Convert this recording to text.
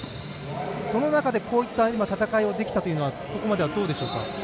その中で、こういった戦いができたというのはここまではどうでしょうか。